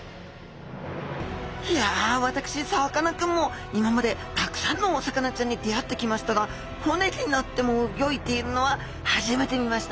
いや私さかなクンも今までたくさんのお魚ちゃんに出会ってきましたが骨になってもうギョいているのは初めて見ました！